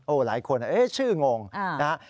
หลายคนชื่องงนะฮะ